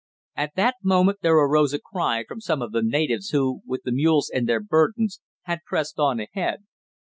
At that moment there arose a cry from some of the natives who, with the mules and their burdens, had pressed on ahead.